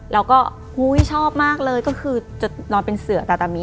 แล้วก็อุ้ยชอบมากเลยก็คือจะนอนเป็นเสือตาตามี